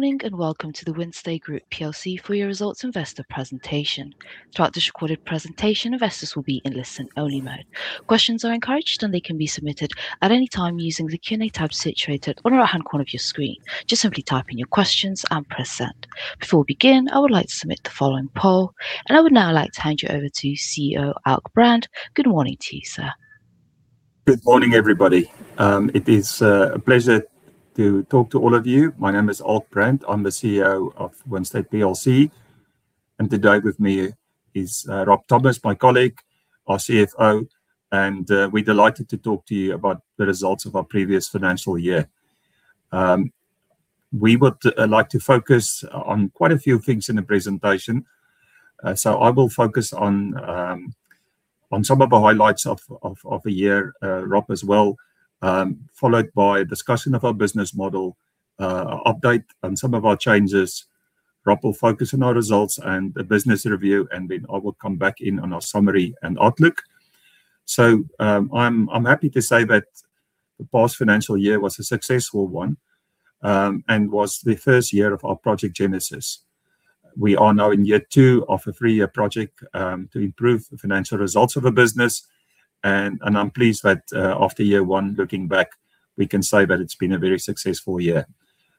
Good morning, and welcome to the Wynnstay Group PLC full year results investor presentation. Throughout this recorded presentation, investors will be in listen-only mode. Questions are encouraged, and they can be submitted at any time using the Q&A tab situated on the right-hand corner of your screen. Just simply type in your questions and press Send. Before we begin, I would like to submit the following poll, and I would now like to hand you over to CEO Alk Brand. Good morning to you, sir. Good morning, everybody. It is a pleasure to talk to all of you. My name is Alk Brand. I'm the CEO of Wynnstay Group PLC, and today with me is Rob Thomas, my colleague, our CFO, and we're delighted to talk to you about the results of our previous financial year. We would like to focus on quite a few things in the presentation. So I will focus on some of the highlights of the year, Rob as well, followed by a discussion of our business model, update on some of our changes. Rob will focus on our results and the business review, and then I will come back in on our summary and outlook. So, I'm happy to say that the past financial year was a successful one, and was the first year of our Project Genesis. We are now in year two of a three-year project, to improve the financial results of the business, and I'm pleased that, after year one, looking back, we can say that it's been a very successful year.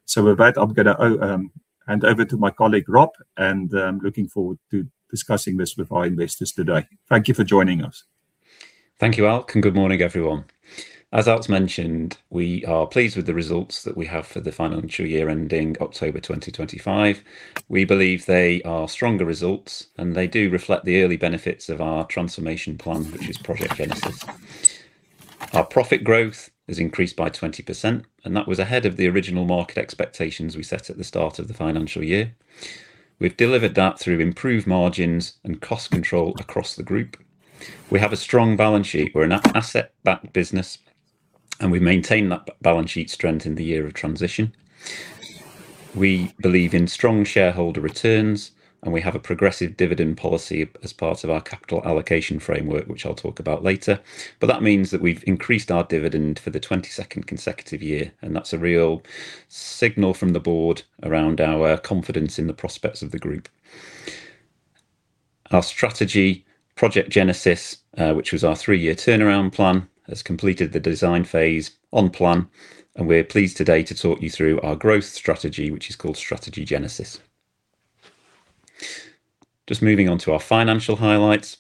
So with that, I'm gonna hand over to my colleague, Rob, and, looking forward to discussing this with our investors today. Thank you for joining us. Thank you, Alk, and good morning, everyone. As Alk mentioned, we are pleased with the results that we have for the financial year ending October 2025. We believe they are stronger results, and they do reflect the early benefits of our transformation plan, which is Project Genesis. Our profit growth has increased by 20%, and that was ahead of the original market expectations we set at the start of the financial year. We've delivered that through improved margins and cost control across the group. We have a strong balance sheet. We're an asset-backed business, and we've maintained that balance sheet strength in the year of transition. We believe in strong shareholder returns, and we have a progressive dividend policy as part of our Capital Allocation Framework, which I'll talk about later. But that means that we've increased our dividend for the 22nd consecutive year, and that's a real signal from the board around our confidence in the prospects of the group. Our strategy, Project Genesis, which was our 3-year turnaround plan, has completed the design phase on plan, and we're pleased today to talk you through our growth strategy, which is called Strategy Genesis. Just moving on to our financial highlights.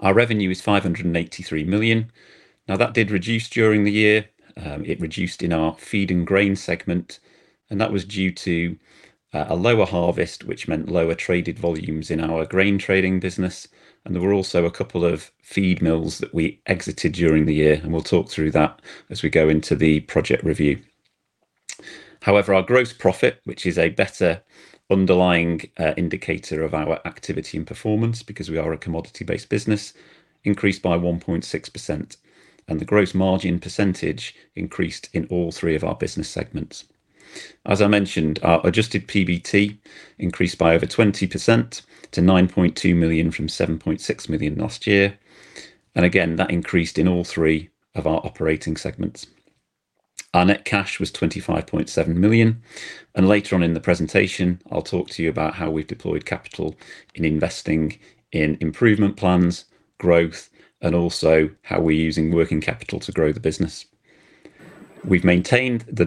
Our revenue is 583 million. Now, that did reduce during the year. It reduced in our feed and grain segment, and that was due to a lower harvest, which meant lower traded volumes in our grain trading business, and there were also a couple of feed mills that we exited during the year, and we'll talk through that as we go into the project review. However, our gross profit, which is a better underlying indicator of our activity and performance because we are a commodity-based business, increased by 1.6%, and the gross margin percentage increased in all three of our business segments. As I mentioned, our adjusted PBT increased by over 20% to 9.2 million from 7.6 million last year, and again, that increased in all three of our operating segments. Our net cash was 25.7 million, and later on in the presentation, I'll talk to you about how we've deployed capital in investing in improvement plans, growth, and also how we're using working capital to grow the business. We've maintained the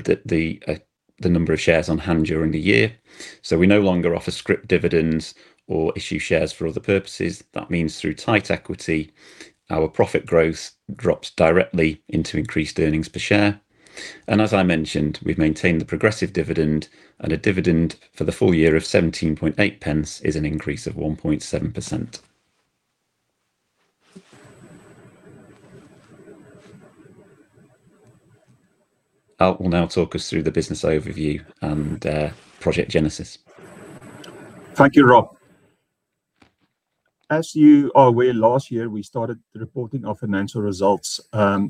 number of shares on hand during the year, so we no longer offer scrip dividends or issue shares for other purposes. That means through tight equity, our profit growth drops directly into increased earnings per share. As I mentioned, we've maintained the progressive dividend, and a dividend for the full year of 0.178 is an increase of 1.7%. Alk will now talk us through the business overview and Project Genesis. Thank you, Rob. As you are aware, last year, we started reporting our financial results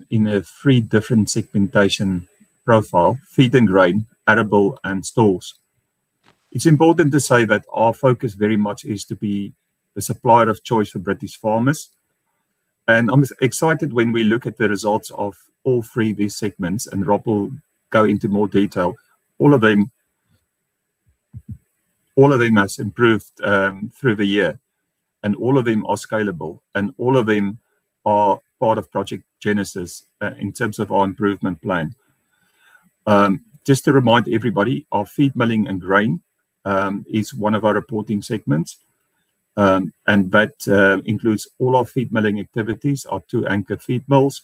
in three different segmentation profile: feed and grain, arable, and stores. It's important to say that our focus very much is to be the supplier of choice for British farmers, and I'm excited when we look at the results of all three of these segments, and Rob will go into more detail. All of them, all of them has improved through the year, and all of them are scalable, and all of them are part of Project Genesis in terms of our improvement plan. Just to remind everybody, our feed milling and grain is one of our reporting segments, and that includes all our feed milling activities, our two anchor feed mills,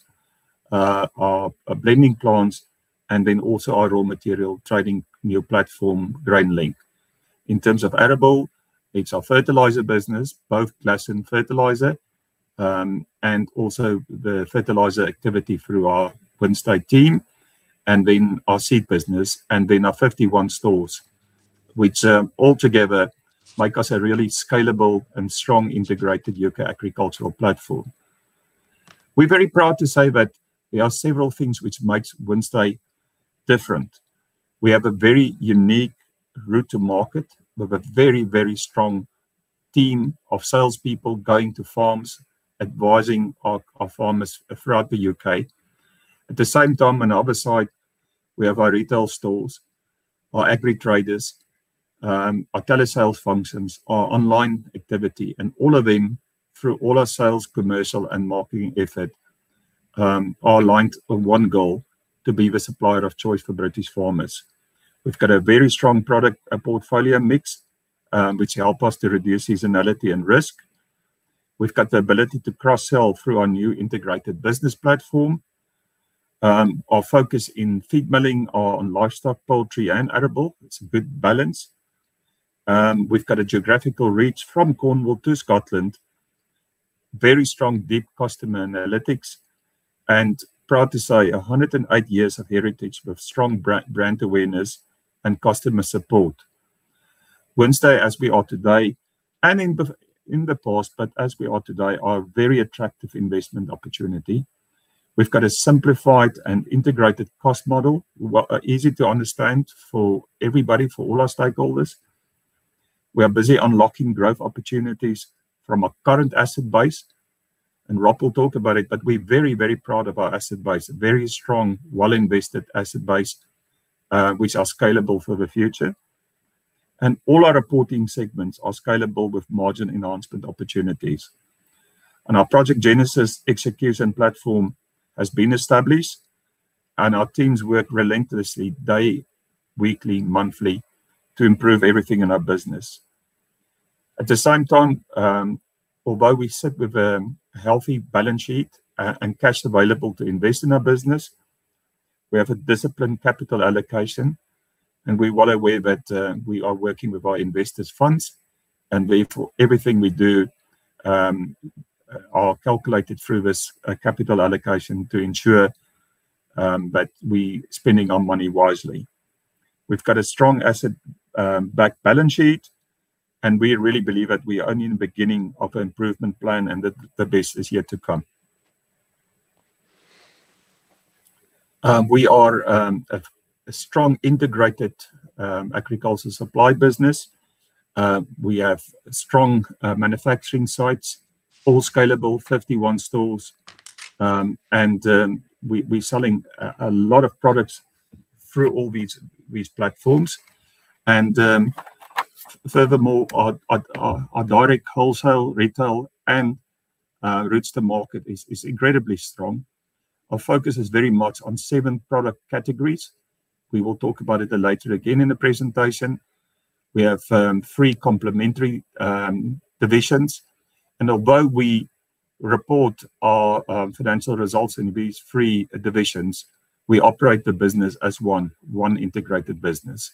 our blending plants, and then also our raw material trading new platform, GrainLink. In terms of arable, it's our fertiliser business, both Glasson Fertilisers, and also the fertiliser activity through our Wynnstay team, and then our seed business, and then our 51 stores, which all together make us a really scalable and strong integrated UK agricultural platform. We're very proud to say that there are several things which makes Wynnstay different. We have a very unique route to market with a very, very strong team of salespeople going to farms, advising our farmers throughout the UK. At the same time, on the other side, we have our retail stores, our agri traders, our telesales functions, our online activity, and all of them, through all our sales, commercial, and marketing effort, are aligned on one goal: to be the supplier of choice for British farmers. We've got a very strong product portfolio mix, which help us to reduce seasonality and risk. We've got the ability to cross-sell through our new integrated business platform. Our focus in feed milling are on livestock, poultry, and edible. It's a good balance. We've got a geographical reach from Cornwall to Scotland, very strong, deep customer analytics, and proud to say, 108 years of heritage with strong brand awareness and customer support. Wynnstay, as we are today, and in the, in the past, but as we are today, are a very attractive investment opportunity. We've got a simplified and integrated cost model, easy to understand for everybody, for all our stakeholders. We are busy unlocking growth opportunities from our current asset base, and Rob will talk about it, but we're very, very proud of our asset base. A very strong, well-invested asset base, which are scalable for the future. And all our reporting segments are scalable with margin enhancement opportunities. And our Project Genesis execution platform has been established, and our teams work relentlessly, day, weekly, monthly, to improve everything in our business. At the same time, although we sit with a healthy balance sheet and cash available to invest in our business, we have a disciplined capital allocation, and we're well aware that we are working with our investors' funds, and therefore, everything we do are calculated through this capital allocation to ensure that we spending our money wisely. We've got a strong asset backed balance sheet, and we really believe that we are only in the beginning of an improvement plan and that the best is yet to come. We are a strong, integrated agriculture supply business. We have strong manufacturing sites, all scalable, 51 stores. And we are selling a lot of products through all these platforms. Furthermore, our direct wholesale, retail, and routes to market is incredibly strong. Our focus is very much on seven product categories. We will talk about it later again in the presentation. We have three complementary divisions, and although we report our financial results in these three divisions, we operate the business as one integrated business.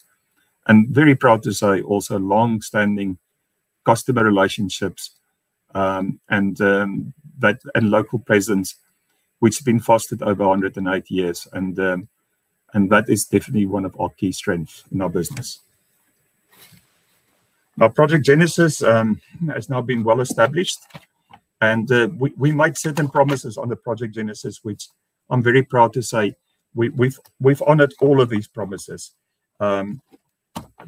We are very proud to say, also longstanding customer relationships and local presence, which have been fostered over 108 years, and that is definitely one of our key strengths in our business. Our Project Genesis has now been well-established, and we made certain promises on the Project Genesis, which I'm very proud to say, we've honored all of these promises.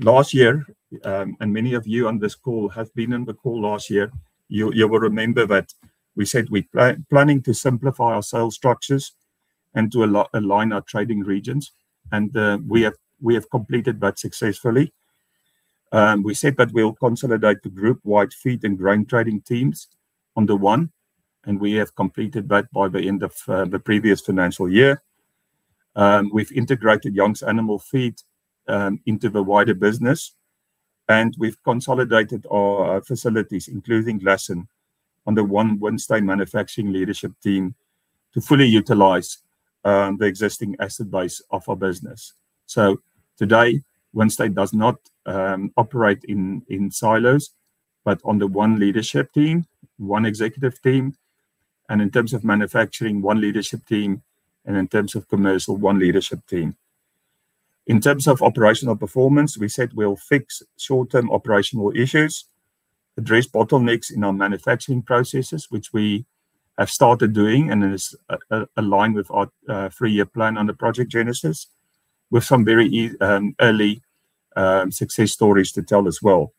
Last year, and many of you on this call have been on the call last year, you will remember that we said we planning to simplify our sales structures and to align our trading regions, and we have completed that successfully. We said that we will consolidate the group-wide feed and grain trading teams under one, and we have completed that by the end of the previous financial year. We've integrated Youngs Animal Feeds into the wider business, and we've consolidated our facilities, including Glasson, under one Wynnstay manufacturing leadership team, to fully utilize the existing asset base of our business. So today, Wynnstay does not operate in silos, but under one leadership team, one executive team, and in terms of manufacturing, one leadership team, and in terms of commercial, one leadership team. In terms of operational performance, we said we'll fix short-term operational issues, address bottlenecks in our manufacturing processes, which we have started doing, and is aligned with our 3-year plan under Project Genesis, with some very early success stories to tell as well.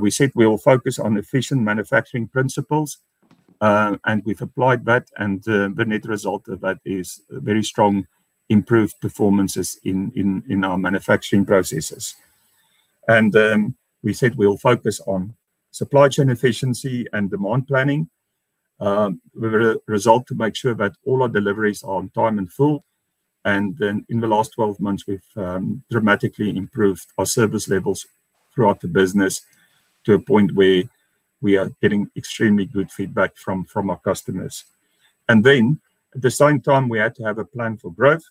We said we will focus on efficient manufacturing principles, and we've applied that, and the net result of that is very strong, improved performances in our manufacturing processes. And we said we will focus on supply chain efficiency and demand planning, with a result to make sure that all our deliveries are on time and full, and then in the last 12 months, we've dramatically improved our service levels throughout the business to a point where we are getting extremely good feedback from our customers. And then, at the same time, we had to have a plan for growth,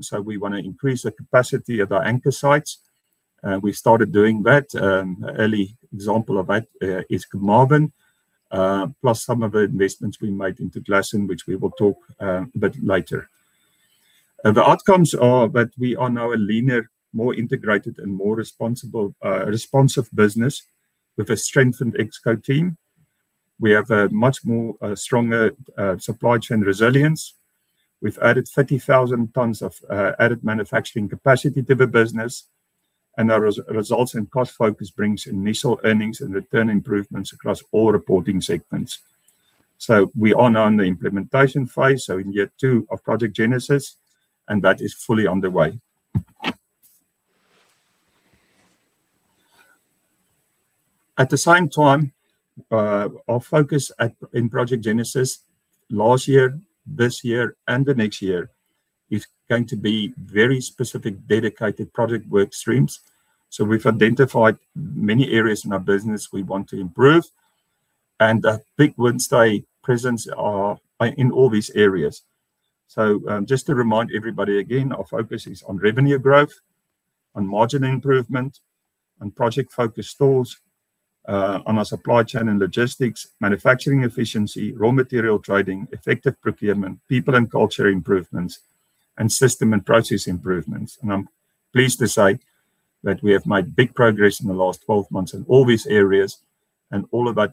so we wanna increase the capacity of our anchor sites. We started doing that. Early example of that is Carmarthen, plus some of the investments we made into Glasson, which we will talk about later. The outcomes are that we are now a leaner, more integrated, and more responsible, responsive business with a strengthened ExCo team. We have a much more stronger supply chain resilience. We've added 30,000 tonnes of added manufacturing capacity to the business, and our results and cost focus brings initial earnings and return improvements across all reporting segments. We are now in the implementation phase, so in year two of Project Genesis, and that is fully underway. At the same time, our focus in Project Genesis, last year, this year, and the next year, is going to be very specific, dedicated project work streams. So we've identified many areas in our business we want to improve, and big Wynnstay presence is in all these areas. So just to remind everybody again, our focus is on revenue growth, on margin improvement, on project-focused stores, on our supply chain and logistics, manufacturing efficiency, raw material trading, effective procurement, people and culture improvements, and system and process improvements. And I'm pleased to say that we have made big progress in the last 12 months in all these areas, and all of that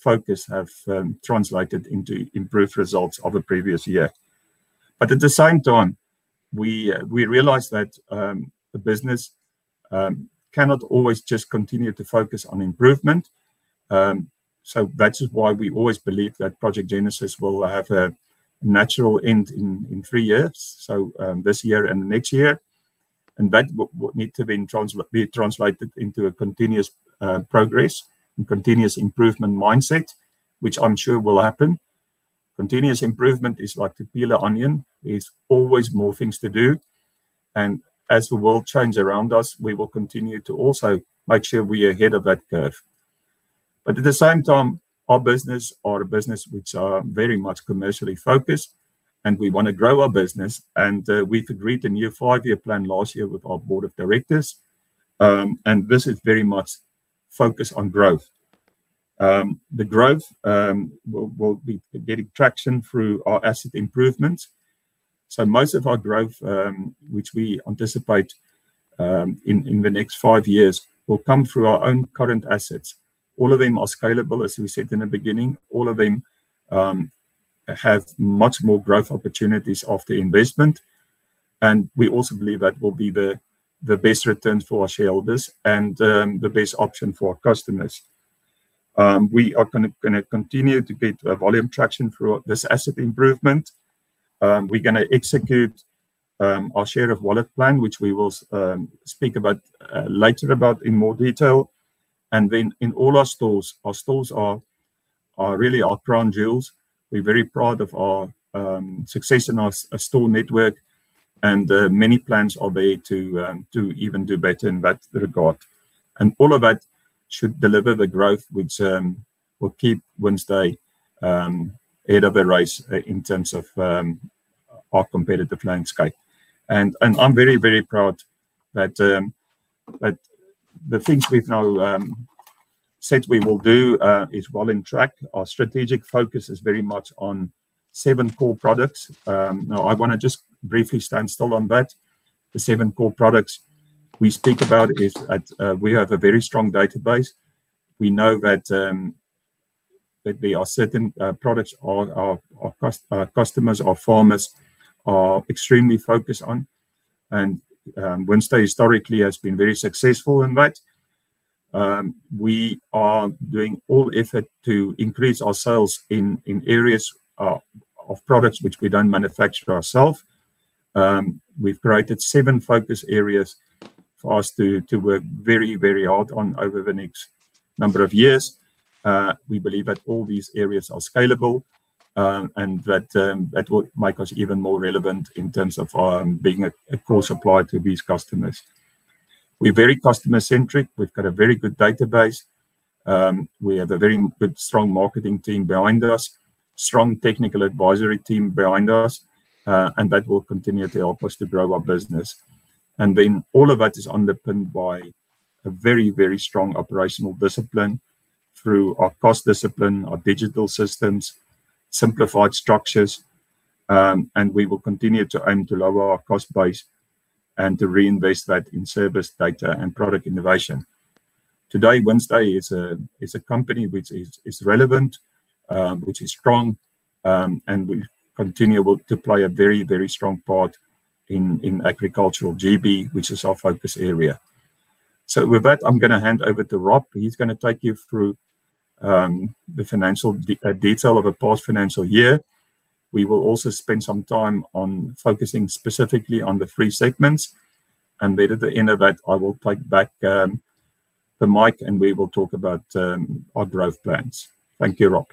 focus have translated into improved results of the previous year. But at the same time, we, we realized that the business cannot always just continue to focus on improvement. So that is why we always believe that Project Genesis will have a natural end in three years, so this year and next year, and that will need to be translated into a continuous progress and continuous improvement mindset, which I'm sure will happen. Continuous improvement is like to peel an onion. There's always more things to do, and as the world change around us, we will continue to also make sure we are ahead of that curve. But at the same time, our business are a business which are very much commercially focused, and we wanna grow our business, and we've agreed a new five-year plan last year with our board of directors, and this is very much focused on growth. The growth will be getting traction through our asset improvements. So most of our growth, which we anticipate, in the next five years, will come through our own current assets. All of them are scalable, as we said in the beginning. All of them have much more growth opportunities after investment, and we also believe that will be the best return for our shareholders and the best option for our customers. We are gonna continue to build volume traction through this asset improvement. We're gonna execute our share of wallet plan, which we will speak about later about in more detail. Then in all our stores, our stores are really our crown jewels. We're very proud of our success in our store network, and many plans are there to even do better in that regard. All of that should deliver the growth which will keep Wynnstay ahead of the race in terms of our competitive landscape. I'm very, very proud that the things we've now said we will do is well on track. Our strategic focus is very much on seven core products. Now, I wanna just briefly stand still on that. The seven core products we speak about is that. We have a very strong database. We know that there are certain products our customers, our farmers are extremely focused on, and Wynnstay historically has been very successful in that. We are doing all effort to increase our sales in areas of products which we don't manufacture ourselves. We've created seven focus areas for us to work very, very hard on over the next number of years. We believe that all these areas are scalable, and that will make us even more relevant in terms of being a core supplier to these customers. We're very customer-centric. We've got a very good database. We have a very good, strong marketing team behind us, strong technical advisory team behind us, and that will continue to help us to grow our business. And then all of that is underpinned by a very, very strong operational discipline through our cost discipline, our digital systems, simplified structures, and we will continue to aim to lower our cost base and to reinvest that in service, data, and product innovation. Today, Wynnstay is a company which is relevant, which is strong, and will continue to play a very, very strong part in agricultural GB, which is our focus area. So with that, I'm gonna hand over to Rob. He's gonna take you through the financial detail of the past financial year. We will also spend some time on focusing specifically on the three segments, and then at the end of that, I will take back the mic, and we will talk about our growth plans. Thank you, Rob.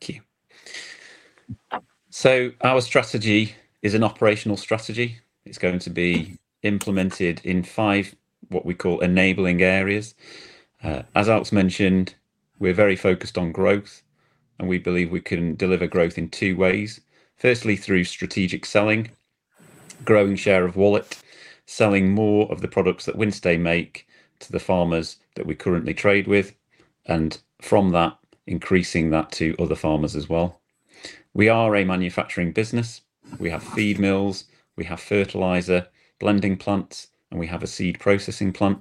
Thank you. So our strategy is an operational strategy. It's going to be implemented in five, what we call, enabling areas. As Alk mentioned, we're very focused on growth, and we believe we can deliver growth in two ways. Firstly, through strategic selling, growing share of wallet, selling more of the products that Wynnstay make to the farmers that we currently trade with, and from that, increasing that to other farmers as well... We are a manufacturing business. We have feed mills, we have fertiliser blending plants, and we have a seed processing plant,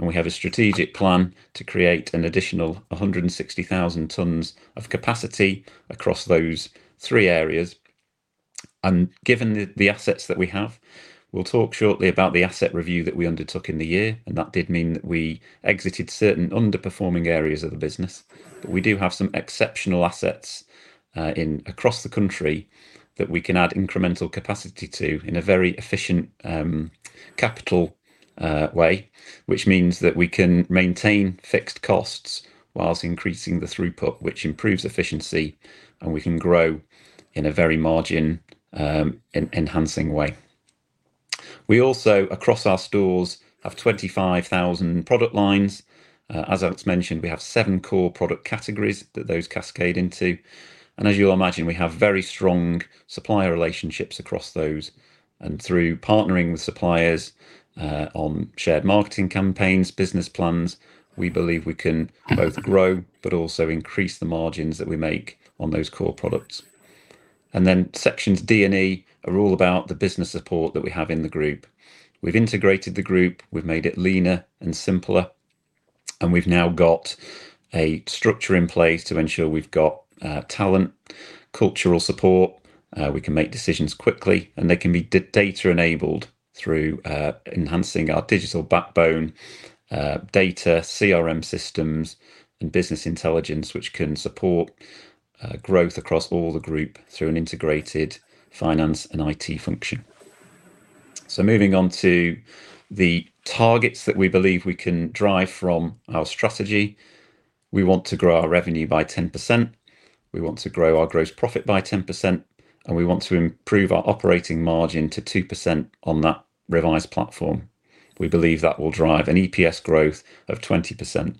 and we have a strategic plan to create an additional 160,000 tonnes of capacity across those three areas. And given the, the assets that we have, we'll talk shortly about the asset review that we undertook in the year, and that did mean that we exited certain underperforming areas of the business. But we do have some exceptional assets, in across the country that we can add incremental capacity to in a very efficient, capital, way, which means that we can maintain fixed costs whilst increasing the throughput, which improves efficiency, and we can grow in a very margin, enhancing way. We also, across our stores, have 25,000 product lines. As Alk mentioned, we have seven core product categories that those cascade into, and as you'll imagine, we have very strong supplier relationships across those, and through partnering with suppliers, on shared marketing campaigns, business plans, we believe we can both grow but also increase the margins that we make on those core products. And then Sections D and E are all about the business support that we have in the group. We've integrated the group, we've made it leaner and simpler, and we've now got a structure in place to ensure we've got talent, cultural support, we can make decisions quickly, and they can be data enabled through enhancing our digital backbone, data, CRM systems, and business intelligence, which can support growth across all the group through an integrated finance and IT function. So moving on to the targets that we believe we can drive from our strategy. We want to grow our revenue by 10%, we want to grow our gross profit by 10%, and we want to improve our operating margin to 2% on that revised platform. We believe that will drive an EPS growth of 20%,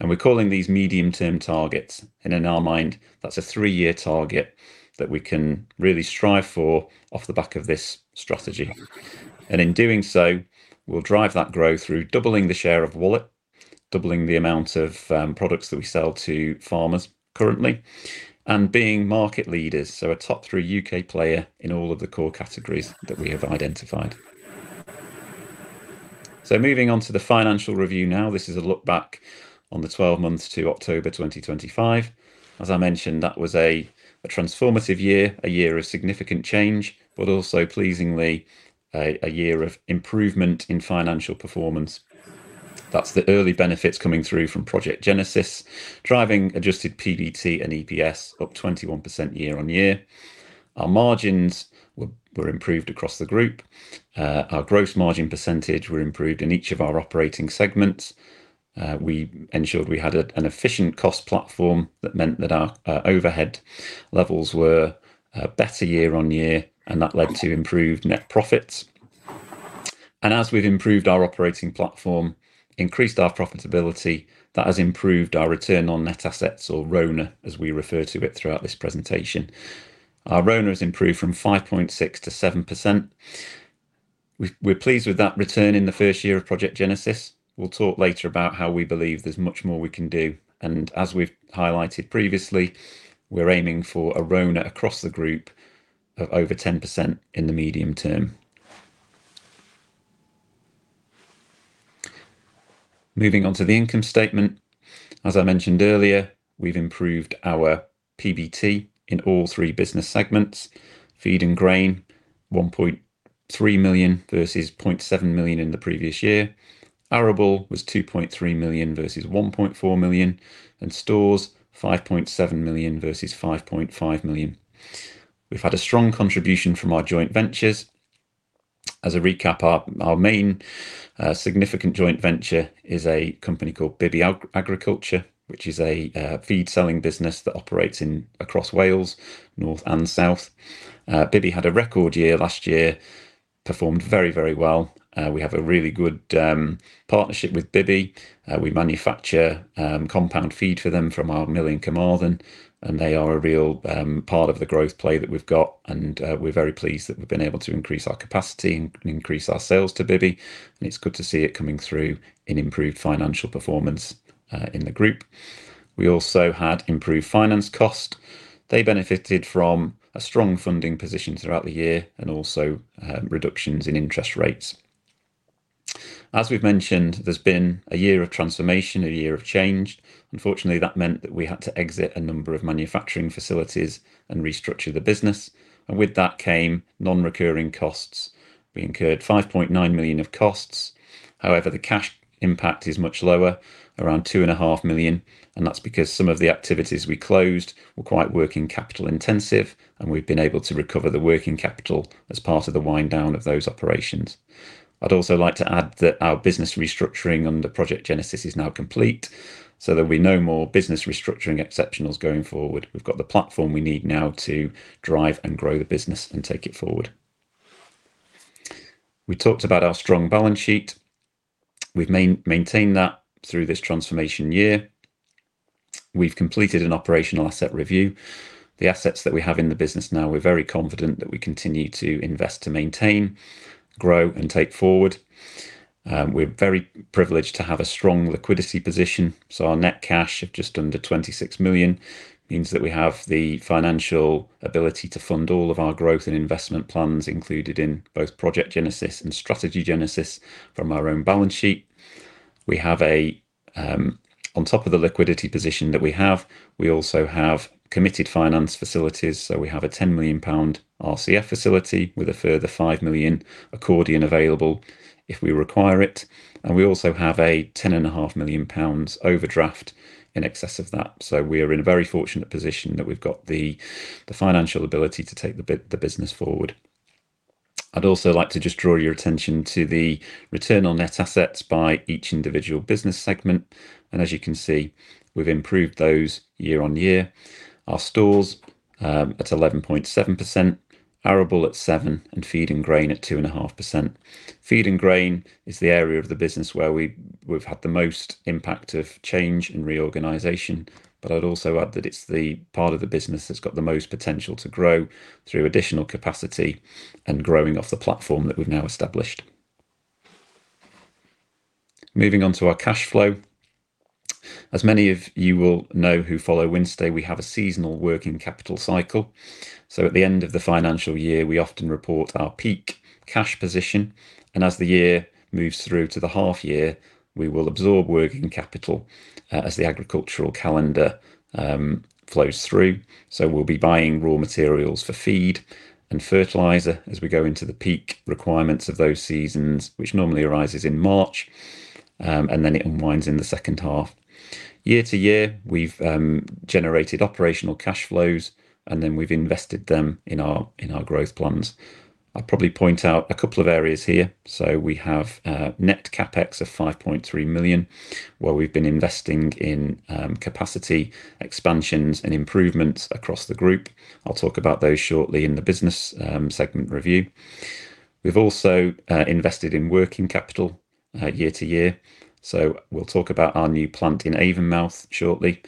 and we're calling these medium-term targets, and in our mind, that's a 3-year target that we can really strive for off the back of this strategy. And in doing so, we'll drive that growth through doubling the share of wallet, doubling the amount of products that we sell to farmers currently, and being market leaders, so a top three U.K. player in all of the core categories that we have identified. So moving on to the financial review now. This is a look back on the 12 months to October 2025. As I mentioned, that was a transformative year, a year of significant change, but also pleasingly, a year of improvement in financial performance. That's the early benefits coming through from Project Genesis, driving adjusted PBT and EPS up 21% year-on-year. Our margins were improved across the group. Our gross margin percentage were improved in each of our operating segments. We ensured we had an efficient cost platform that meant that our overhead levels were better year on year, and that led to improved net profits. And as we've improved our operating platform, increased our profitability, that has improved our return on net assets or RONA, as we refer to it throughout this presentation. Our RONA has improved from 5.6% to 7%. We're pleased with that return in the first year of Project Genesis. We'll talk later about how we believe there's much more we can do, and as we've highlighted previously, we're aiming for a RONA across the group of over 10% in the medium term. Moving on to the income statement. As I mentioned earlier, we've improved our PBT in all three business segments. Feed and grain, 1.3 million versus 0.7 million in the previous year. Arable was 2.3 million versus 1.4 million, and stores, 5.7 million versus 5.5 million. We've had a strong contribution from our joint ventures. As a recap, our main significant joint venture is a company called Bibby Agriculture, which is a feed-selling business that operates across Wales, north and south. Bibby had a record year last year, performed very, very well. We have a really good partnership with Bibby. We manufacture compound feed for them from our mill in Carmarthen, and they are a real part of the growth play that we've got, and we're very pleased that we've been able to increase our capacity and increase our sales to Bibby, and it's good to see it coming through in improved financial performance in the group. We also had improved finance cost. They benefited from a strong funding position throughout the year and also reductions in interest rates. As we've mentioned, there's been a year of transformation, a year of change. Unfortunately, that meant that we had to exit a number of manufacturing facilities and restructure the business, and with that came non-recurring costs. We incurred 5.9 million of costs. However, the cash impact is much lower, around 2.5 million, and that's because some of the activities we closed were quite working capital intensive, and we've been able to recover the working capital as part of the wind down of those operations. I'd also like to add that our business restructuring under Project Genesis is now complete, so there'll be no more business restructuring exceptionals going forward. We've got the platform we need now to drive and grow the business and take it forward. We talked about our strong balance sheet. We've maintained that through this transformation year. We've completed an operational asset review. The assets that we have in the business now, we're very confident that we continue to invest to maintain, grow, and take forward. We're very privileged to have a strong liquidity position, so our net cash of just under 26 million means that we have the financial ability to fund all of our growth and investment plans included in both Project Genesis and Strategy Genesis from our own balance sheet. We have a, on top of the liquidity position that we have, we also have committed finance facilities. So we have a 10 million pound RCF facility with a further 5 million accordion available if we require it, and we also have a 10.5 million pounds overdraft in excess of that. So we are in a very fortunate position that we've got the financial ability to take the business forward. I'd also like to just draw your attention to the return on net assets by each individual business segment, and as you can see, we've improved those year-on-year. Our stores at 11.7%, arable at 7%, and feed and grain at 2.5%. Feed and grain is the area of the business where we, we've had the most impact of change and reorganization, but I'd also add that it's the part of the business that's got the most potential to grow through additional capacity and growing off the platform that we've now established. Moving on to our cash flow. As many of you will know, who follow Wynnstay, we have a seasonal working capital cycle, so at the end of the financial year, we often report our peak cash position, and as the year moves through to the half year, we will absorb working capital, as the agricultural calendar flows through. So we'll be buying raw materials for feed and fertiliser as we go into the peak requirements of those seasons, which normally arises in March, and then it unwinds in the second half. Year to year, we've generated operational cash flows, and then we've invested them in our growth plans. I'd probably point out a couple of areas here. So we have net CapEx of 5.3 million, where we've been investing in capacity expansions, and improvements across the group. I'll talk about those shortly in the business segment review. We've also invested in working capital year to year, so we'll talk about our new plant in Avonmouth shortly.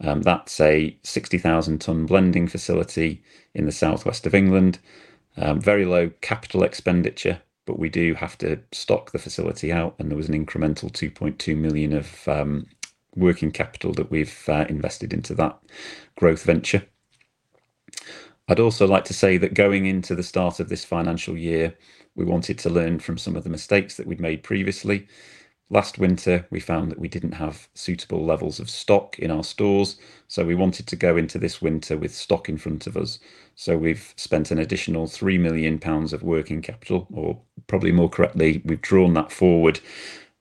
That's a 60,000 is that blending facility in the southwest of England. Very low capital expenditure, but we do have to stock the facility out, and there was an incremental 2.2 million of working capital that we've invested into that growth venture. I'd also like to say that going into the start of this financial year, we wanted to learn from some of the mistakes that we'd made previously. Last winter, we found that we didn't have suitable levels of stock in our stores, so we wanted to go into this winter with stock in front of us. So we've spent an additional 3 million pounds of working capital, or probably more correctly, we've drawn that forward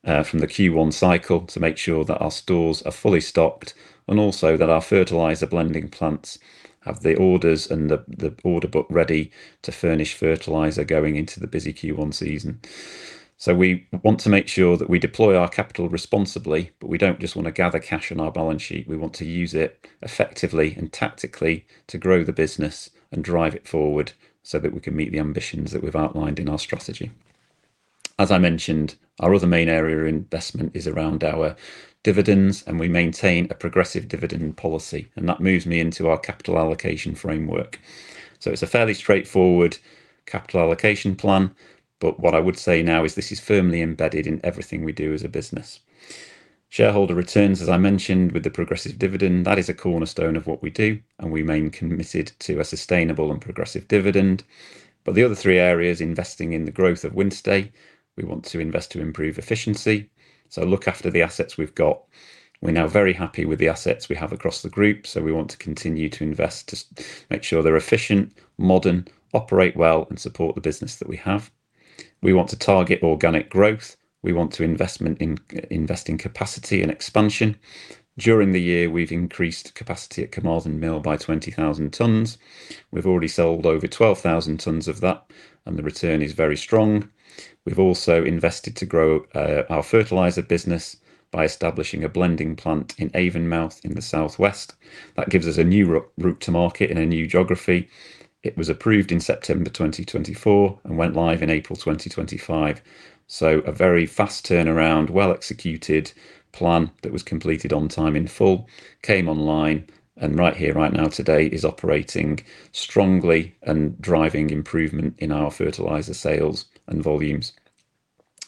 from the Q1 cycle to make sure that our stores are fully stocked and also that our fertiliser blending plants have the orders and the order book ready to furnish fertiliser going into the busy Q1 season. So we want to make sure that we deploy our capital responsibly, but we don't just wanna gather cash on our balance sheet. We want to use it effectively and tactically to grow the business and drive it forward so that we can meet the ambitions that we've outlined in our strategy. As I mentioned, our other main area of investment is around our dividends, and we maintain a progressive dividend policy, and that moves me into our capital allocation framework. So it's a fairly straightforward capital allocation plan, but what I would say now is this is firmly embedded in everything we do as a business. Shareholder returns, as I mentioned, with the progressive dividend, that is a cornerstone of what we do, and we remain committed to a sustainable and progressive dividend. But the other three areas, investing in the growth of Wynnstay, we want to invest to improve efficiency, so look after the assets we've got. We're now very happy with the assets we have across the group, so we want to continue to invest to make sure they're efficient, modern, operate well, and support the business that we have. We want to target organic growth. We want to invest in capacity and expansion. During the year, we've increased capacity at Carmarthen Mill by 20,000 tonnes. We've already sold over 12,000 tonnes of that, and the return is very strong. We've also invested to grow our fertiliser business by establishing a blending plant in Avonmouth in the southwest. That gives us a new route to market and a new geography. It was approved in September 2024 and went live in April 2025. So a very fast turnaround, well-executed plan that was completed on time in full, came online, and right here, right now, today, is operating strongly and driving improvement in our fertiliser sales and volumes.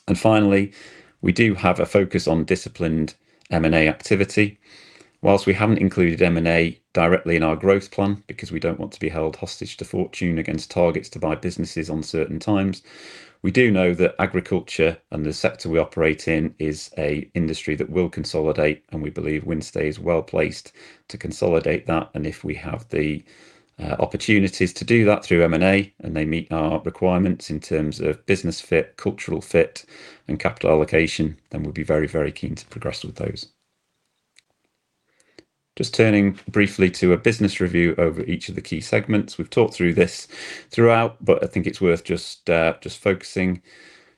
And finally, we do have a focus on disciplined M&A activity. Whilst we haven't included M&A directly in our growth plan, because we don't want to be held hostage to fortune against targets to buy businesses on certain times, we do know that agriculture and the sector we operate in is an industry that will consolidate, and we believe Wynnstay is well-placed to consolidate that, and if we have the opportunities to do that through M&A, and they meet our requirements in terms of business fit, cultural fit, and capital allocation, then we'll be very, very keen to progress with those. Just turning briefly to a business review over each of the key segments. We've talked through this throughout, but I think it's worth just focusing.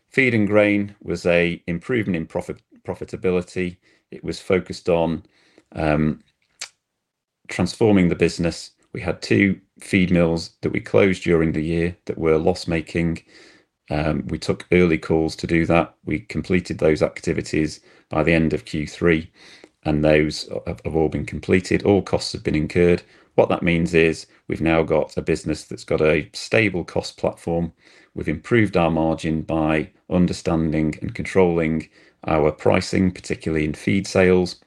Feed and grain was an improvement in profitability. It was focused on transforming the business. We had two feed mills that we closed during the year that were loss-making. We took early calls to do that. We completed those activities by the end of Q3, and those have all been completed. All costs have been incurred. What that means is, we've now got a business that's got a stable cost platform. We've improved our margin by understanding and controlling our pricing, particularly in feed sales,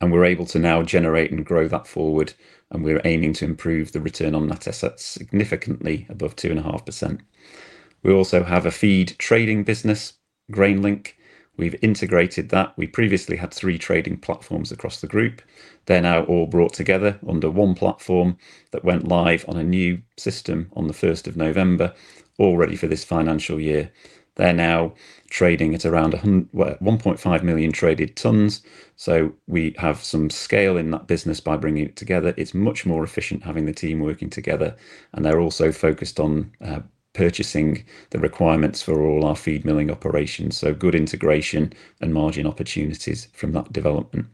and we're able to now generate and grow that forward, and we're aiming to improve the return on net assets significantly above 2.5%. We also have a feed trading business, GrainLink. We've integrated that. We previously had 3 trading platforms across the group. They're now all brought together under one platform that went live on a new system on the first of November, all ready for this financial year. They're now trading at around 100, well, 1.5 million traded tonnes, so we have some scale in that business by bringing it together. It's much more efficient having the team working together, and they're also focused on purchasing the requirements for all our feed milling operations, so good integration and margin opportunities from that development.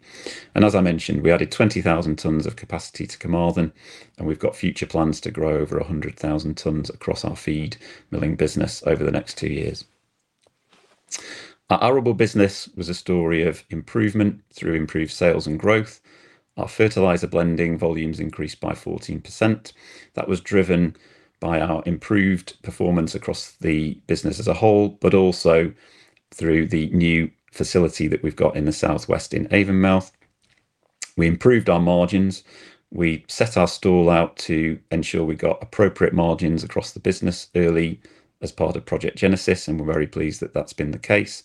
And as I mentioned, we added 20,000 tonnes of capacity to Carmarthen, and we've got future plans to grow over 100,000 tonnes across our feed milling business over the next two years. Our arable business was a story of improvement through improved sales and growth. Our fertiliser blending volumes increased by 14%. That was driven by our improved performance across the business as a whole, but also through the new facility that we've got in the southwest in Avonmouth. We improved our margins. We set our stall out to ensure we got appropriate margins across the business early as part of Project Genesis, and we're very pleased that that's been the case.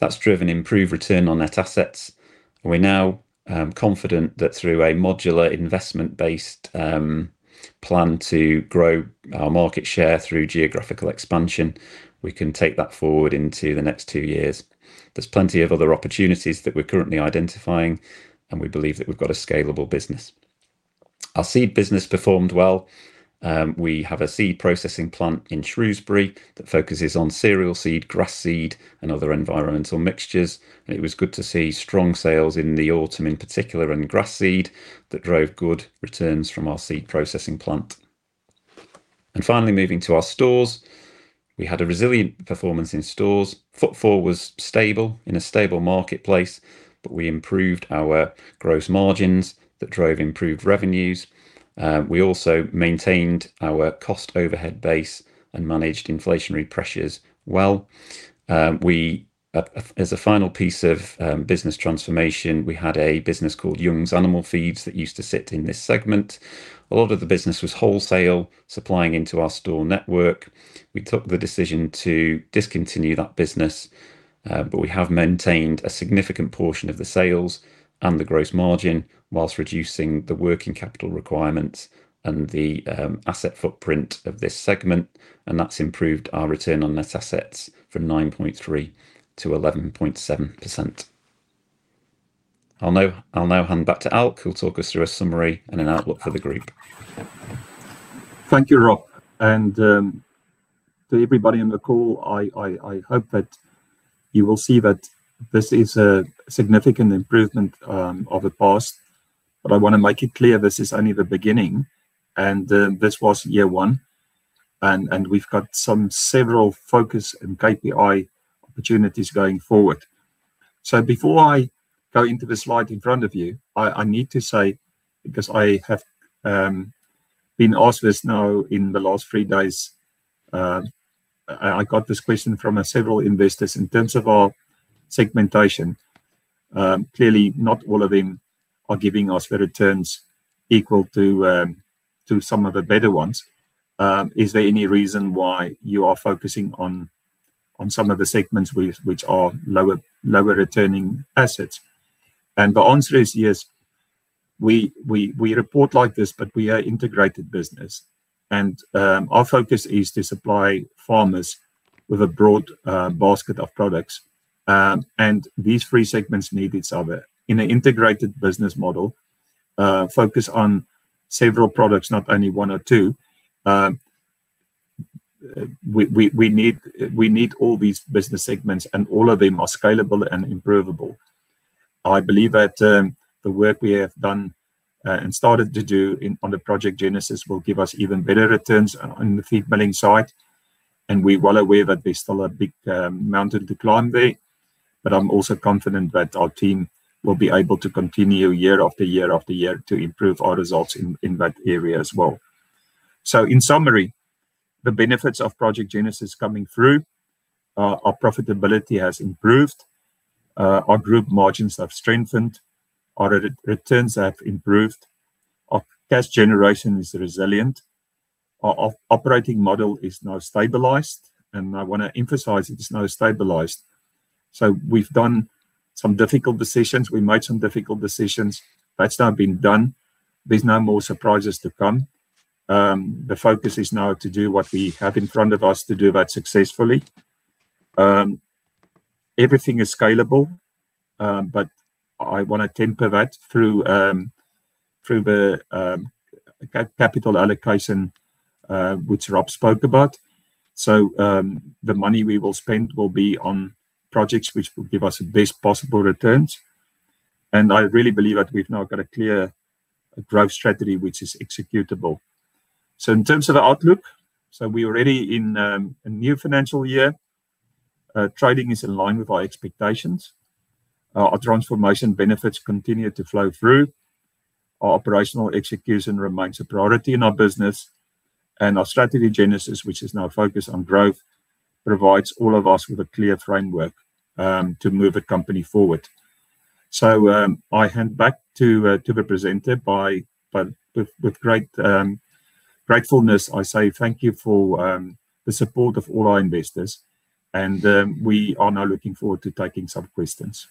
That's driven improved return on net assets, and we're now confident that through a modular investment-based plan to grow our market share through geographical expansion, we can take that forward into the next two years. There's plenty of other opportunities that we're currently identifying, and we believe that we've got a scalable business. Our seed business performed well. We have a seed processing plant in Shrewsbury that focuses on cereal seed, grass seed, and other environmental mixtures. It was good to see strong sales in the autumn, in particular, and grass seed that drove good returns from our seed processing plant. Finally, moving to our stores. We had a resilient performance in stores. Footfall was stable in a stable marketplace, but we improved our gross margins that drove improved revenues. We also maintained our cost overhead base and managed inflationary pressures well. As a final piece of business transformation, we had a business called Youngs Animal Feeds that used to sit in this segment. A lot of the business was wholesale, supplying into our store network. We took the decision to discontinue that business, but we have maintained a significant portion of the sales and the gross margin while reducing the working capital requirements and the asset footprint of this segment, and that's improved our return on net assets from 9.3% to 11.7%. I'll now hand back to Alk, who'll talk us through a summary and an outlook for the group. Thank you, Rob, and to everybody on the call. I hope that you will see that this is a significant improvement of the past. But I wanna make it clear, this is only the beginning, and this was year one, and we've got some several focus and KPI opportunities going forward. So before I go into the slide in front of you, I need to say, because I have been asked this now in the last three days, I got this question from several investors in terms of our segmentation. Clearly, not all of them are giving us better returns equal to some of the better ones. Is there any reason why you are focusing on some of the segments which are lower returning assets? And the answer is yes. We report like this, but we are integrated business, and our focus is to supply farmers with a broad basket of products. And these three segments need each other. In an integrated business model, focus on several products, not only one or two. We need all these business segments, and all of them are scalable and improvable. I believe that the work we have done and started to do on the Project Genesis will give us even better returns on the feed milling side, and we're well aware that there's still a big mountain to climb there. But I'm also confident that our team will be able to continue year after year after year to improve our results in that area as well. So in summary, the benefits of Project Genesis coming through, our profitability has improved, our group margins have strengthened, our returns have improved, our cash generation is resilient, our operating model is now stabilized, and I wanna emphasize it is now stabilized. So we've done some difficult decisions. We made some difficult decisions. That's now been done. There's no more surprises to come. The focus is now to do what we have in front of us to do that successfully. Everything is scalable, but I wanna temper that through the capital allocation, which Rob spoke about. So, the money we will spend will be on projects which will give us the best possible returns, and I really believe that we've now got a clear growth strategy which is executable. So in terms of the outlook, we are already in a new financial year. Trading is in line with our expectations. Our transformation benefits continue to flow through. Our operational execution remains a priority in our business, and our Strategy Genesis, which is now focused on growth, provides all of us with a clear framework to move the company forward. So, I hand back to the presenter with great gratefulness. I say thank you for the support of all our investors, and we are now looking forward to taking some questions.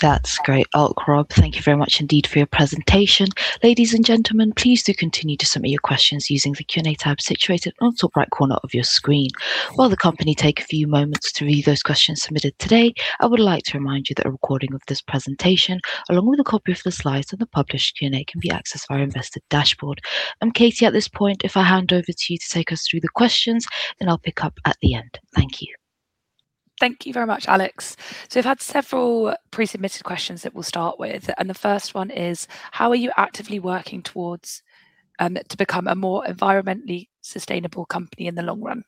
That's great, Alk, Rob. Thank you very much indeed for your presentation. Ladies and gentlemen, please do continue to submit your questions using the Q&A tab situated on the top right corner of your screen. While the company take a few moments to read those questions submitted today, I would like to remind you that a recording of this presentation, along with a copy of the slides and the published Q&A, can be accessed via our Investor dashboard. Katie, at this point, if I hand over to you to take us through the questions, then I'll pick up at the end. Thank you. Thank you very much, Alex. So we've had several pre-submitted questions that we'll start with, and the first one is: How are you actively working towards, to become a more environmentally sustainable company in the long run?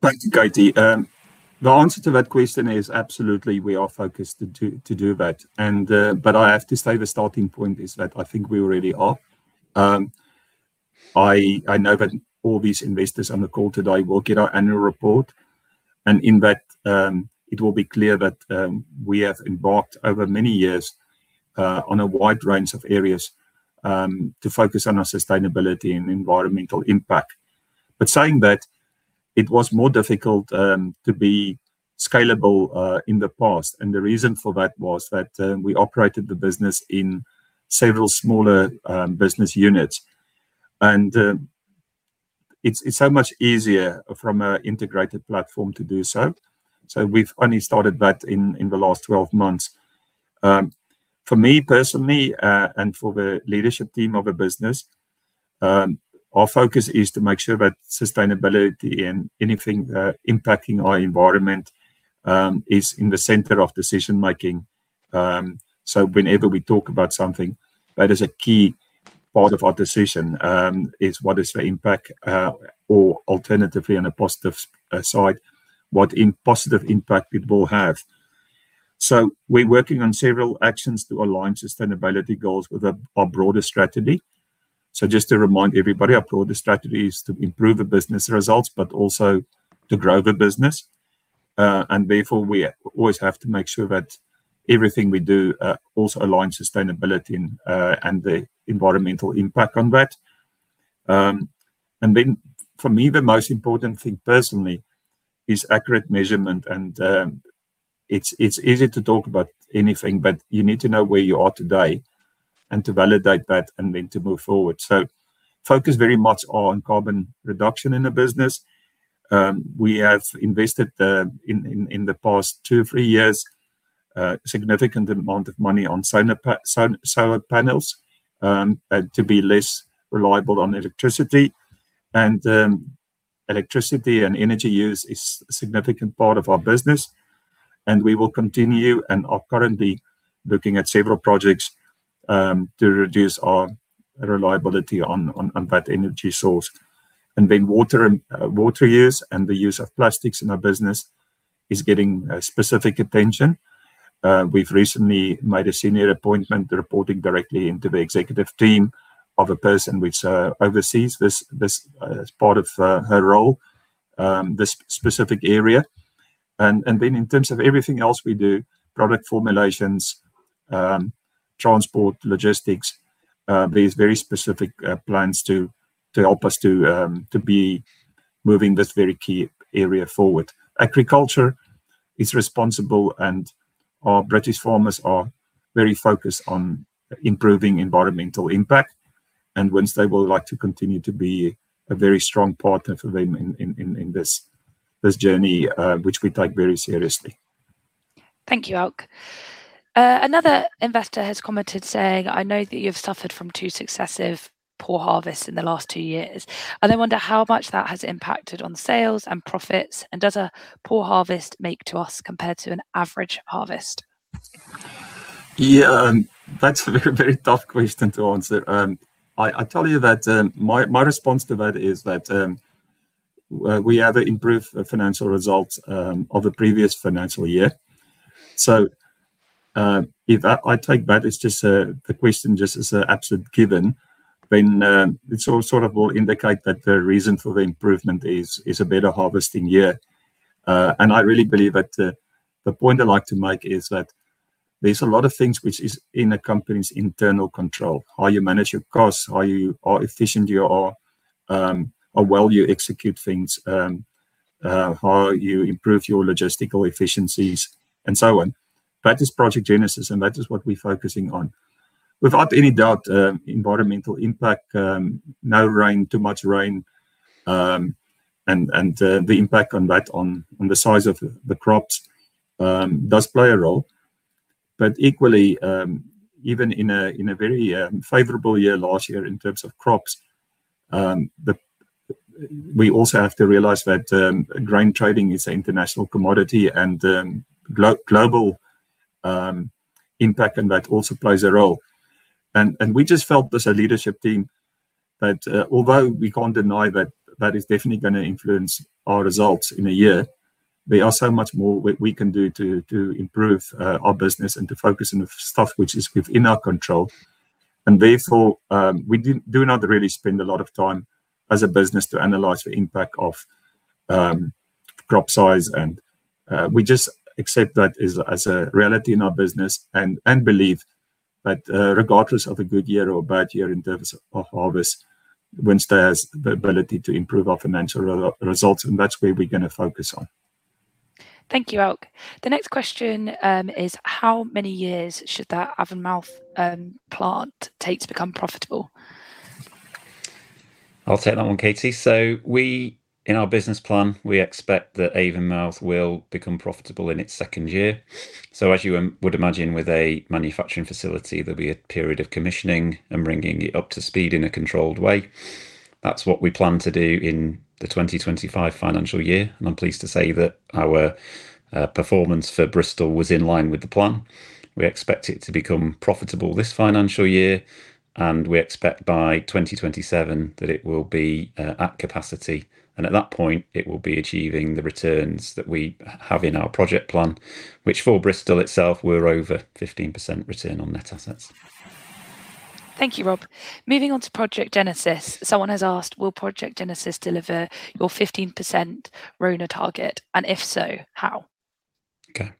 Thank you, Katie. The answer to that question is absolutely we are focused to do that. But I have to say the starting point is that I think we already are. I know that all these investors on the call today will get our annual report, and in that it will be clear that we have embarked over many years on a wide range of areas to focus on our sustainability and environmental impact. But saying that, it was more difficult to be scalable in the past, and the reason for that was that we operated the business in several smaller business units. It's so much easier from a integrated platform to do so. So we've only started that in the last 12 months. For me personally, and for the leadership team of the business, our focus is to make sure that sustainability and anything impacting our environment is in the center of decision making. So whenever we talk about something, that is a key part of our decision is what is the impact or alternatively, on a positive side, what positive impact it will have. So we're working on several actions to align sustainability goals with our broader strategy. So just to remind everybody, our broader strategy is to improve the business results, but also to grow the business. And therefore, we always have to make sure that everything we do also aligns sustainability and the environmental impact on that. And then for me, the most important thing personally is accurate measurement. It's easy to talk about anything, but you need to know where you are today and to validate that and then to move forward. Focus very much on carbon reduction in the business. We have invested in the past 2-3 years a significant amount of money on solar panels to be less reliant on electricity. Electricity and energy use is a significant part of our business, and we will continue and are currently looking at several projects to reduce our reliance on that energy source. Then water use and the use of plastics in our business is getting specific attention. We've recently made a senior appointment, reporting directly into the executive team, of a person which oversees this as part of her role, this specific area. And then in terms of everything else we do, product formulations, transport, logistics, there's very specific plans to help us to be moving this very key area forward. Agriculture is responsible, and our British farmers are very focused on improving environmental impact, and Wynnstay would like to continue to be a very strong partner for them in this journey, which we take very seriously. Thank you, Alk. Another investor has commented saying, "I know that you've suffered from two successive poor harvests in the last two years, and I wonder how much that has impacted on sales and profits, and does a poor harvest make to us compared to an average harvest? Yeah, that's a very tough question to answer. I tell you that my response to that is that we have improved the financial results of the previous financial year. So, if I take that as just a question, just as an absolute given, then it sort of will indicate that the reason for the improvement is a better harvesting year. And I really believe that the point I'd like to make is that there's a lot of things which is in a company's internal control. How you manage your costs, how you... How efficient you are, how well you execute things, how you improve your logistical efficiencies, and so on. That is Project Genesis, and that is what we're focusing on. Without any doubt, environmental impact, no rain, too much rain, and the impact on that on the size of the crops does play a role. But equally, even in a very favorable year last year in terms of crops, we also have to realize that grain trading is an international commodity and global impact on that also plays a role. And we just felt as a leadership team but although we can't deny that that is definitely gonna influence our results in a year, there are so much more we can do to improve our business and to focus on the stuff which is within our control. Therefore, we do not really spend a lot of time as a business to analyze the impact of crop size, and we just accept that as a reality in our business and believe that, regardless of a good year or a bad year in terms of harvest, Wynnstay has the ability to improve our financial results, and that's where we're gonna focus on. Thank you, Alk. The next question is: How many years should that Avonmouth plant take to become profitable? I'll take that one, Katie. So we, in our business plan, we expect that Avonmouth will become profitable in its second year. So as you would imagine with a manufacturing facility, there'll be a period of commissioning and bringing it up to speed in a controlled way. That's what we plan to do in the 2025 financial year, and I'm pleased to say that our performance for Bristol was in line with the plan. We expect it to become profitable this financial year, and we expect by 2027 that it will be at capacity. And at that point, it will be achieving the returns that we have in our project plan, which for Bristol itself, we're over 15% return on net assets. Thank you, Rob. Moving on to Project Genesis. Someone has asked, "Will Project Genesis deliver your 15% RONA target? And if so, how? Okay.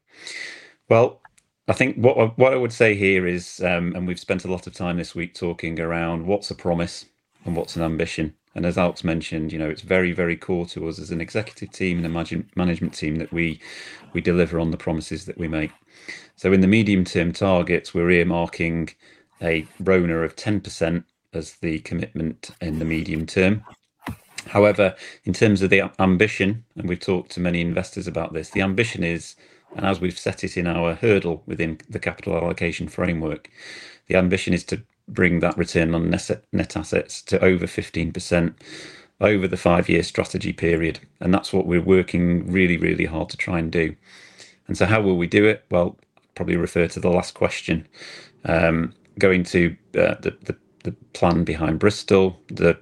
Well, I think what I would say here is, and we've spent a lot of time this week talking around what's a promise and what's an ambition. And as Alk's mentioned, you know, it's very, very core to us as an executive team and a management team that we deliver on the promises that we make. So in the medium-term targets, we're earmarking a RONA of 10% as the commitment in the medium term. However, in terms of the ambition, and we've talked to many investors about this, the ambition is, and as we've set it in our hurdle within the capital allocation framework, the ambition is to bring that return on net assets to over 15% over the five-year strategy period, and that's what we're working really, really hard to try and do. And so how will we do it? Well, probably refer to the last question. Going to the plan behind Bristol, the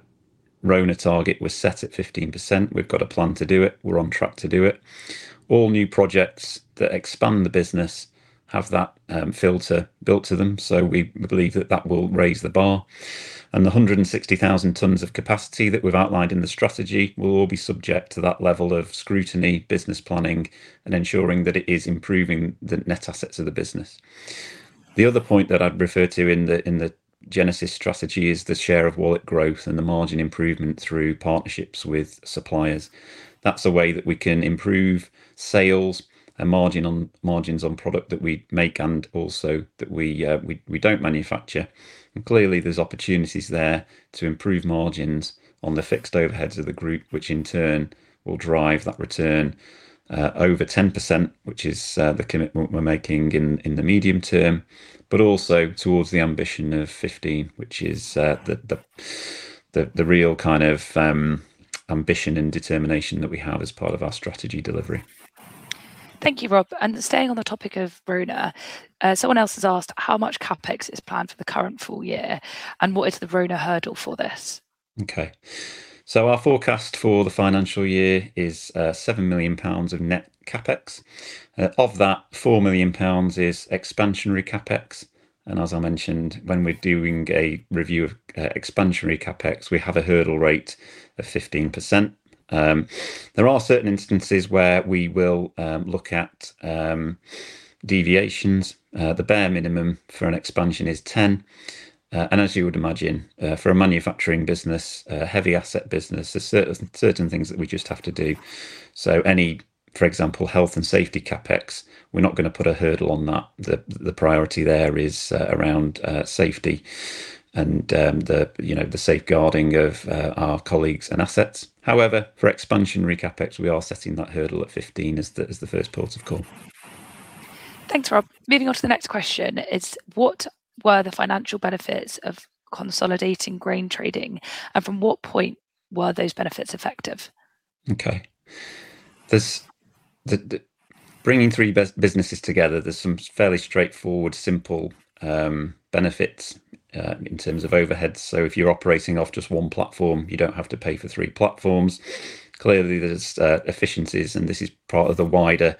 RONA target was set at 15%. We've got a plan to do it. We're on track to do it. All new projects that expand the business have that filter built to them, so we believe that that will raise the bar. And the 160,000 tons of capacity that we've outlined in the strategy will all be subject to that level of scrutiny, business planning, and ensuring that it is improving the net assets of the business. The other point that I'd refer to in the Genesis strategy is the share of wallet growth and the margin improvement through partnerships with suppliers. That's a way that we can improve sales and margin on, margins on product that we make and also that we don't manufacture. And clearly, there's opportunities there to improve margins on the fixed overheads of the group, which in turn will drive that return over 10%, which is the commitment we're making in the medium term, but also towards the ambition of 15, which is the real kind of ambition and determination that we have as part of our strategy delivery. Thank you, Rob. Staying on the topic of RONA, someone else has asked: "How much CapEx is planned for the current full year, and what is the RONA hurdle for this? Okay. So our forecast for the financial year is 7 million pounds of net CapEx. Of that, 4 million pounds is expansionary CapEx, and as I mentioned, when we're doing a review of expansionary CapEx, we have a hurdle rate of 15%. There are certain instances where we will look at deviations. The bare minimum for an expansion is 10. And as you would imagine, for a manufacturing business, a heavy asset business, there's certain things that we just have to do. So any, for example, health and safety CapEx, we're not gonna put a hurdle on that. The priority there is around safety and the you know the safeguarding of our colleagues and assets. However, for expansionary CapEx, we are setting that hurdle at 15 as the first port of call. Thanks, Rob. Moving on to the next question. It's: What were the financial benefits of consolidating grain trading, and from what point were those benefits effective? Okay. There's the bringing three businesses together, there's some fairly straightforward, simple benefits in terms of overheads. So if you're operating off just one platform, you don't have to pay for three platforms. Clearly, there's efficiencies, and this is part of the wider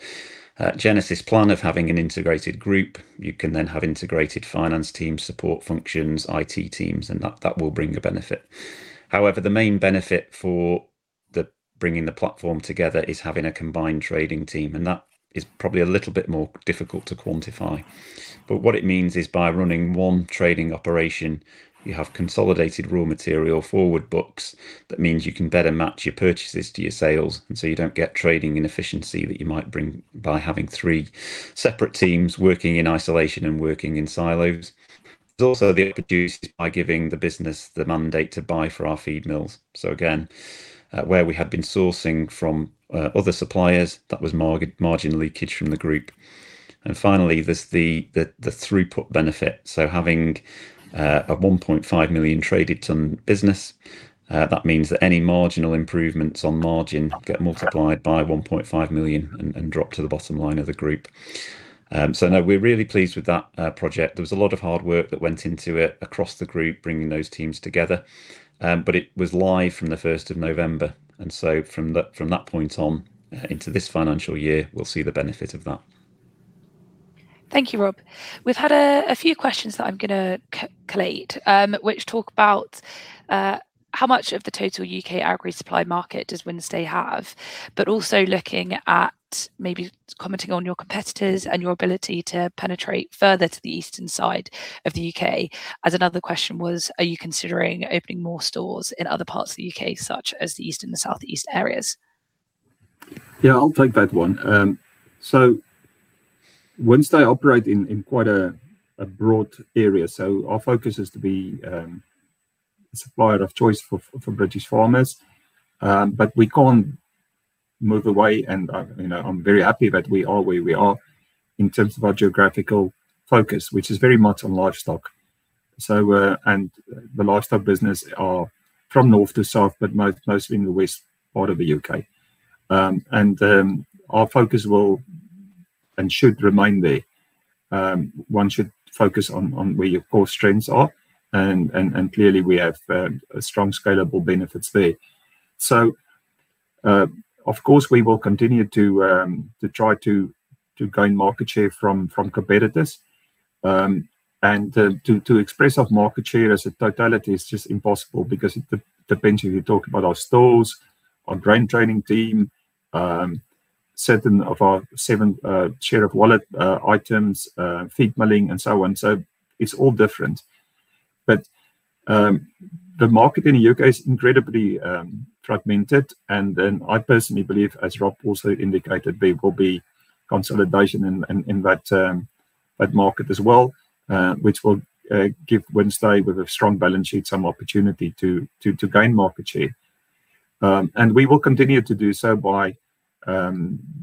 Genesis plan of having an integrated group. You can then have integrated finance team, support functions, IT teams, and that will bring a benefit. However, the main benefit for bringing the platform together is having a combined trading team, and that is probably a little bit more difficult to quantify. But what it means is, by running one trading operation, you have consolidated raw material forward books. That means you can better match your purchases to your sales, and so you don't get trading inefficiency that you might bring by having three separate teams working in isolation and working in silos. It's also introduced by giving the business the mandate to buy for our feed mills. So again, where we had been sourcing from other suppliers, that was margin leakage from the group. And finally, there's the throughput benefit. So having a 1.5 million traded ton business, that means that any marginal improvements on margin get multiplied by 1.5 million and drop to the bottom line of the group. So no, we're really pleased with that project. There was a lot of hard work that went into it across the group, bringing those teams together. But it was live from the first of November, and so from that, from that point on, into this financial year, we'll see the benefit of that. Thank you, Rob. We've had a few questions that I'm gonna collate, which talk about how much of the total UK agri supply market does Wynnstay have? But also looking at maybe commenting on your competitors and your ability to penetrate further to the eastern side of the UK, as another question was: Are you considering opening more stores in other parts of the UK, such as the east and the southeast areas? Yeah, I'll take that one. So Wynnstay operate in quite a broad area, so our focus is to be supplier of choice for British farmers. But we can't move away, and, you know, I'm very happy that we are where we are in terms of our geographical focus, which is very much on livestock. So, and the livestock business are from north to south, but mostly in the west part of the UK. And, our focus will and should remain there. One should focus on where your core strengths are, and clearly, we have a strong scalable benefits there. So, of course, we will continue to try to gain market share from competitors, and to express our market share as a totality is just impossible because it depends if you talk about our stores, our grain trading team, certain of our seven share of wallet items, feed milling, and so on. So it's all different. But, the market in the U.K. is incredibly fragmented, and then I personally believe, as Rob also indicated, there will be consolidation in that market as well, which will give Wynnstay, with a strong balance sheet, some opportunity to gain market share. And we will continue to do so by